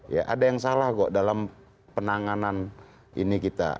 ya ada yang salah kok dalam penanganan ini kita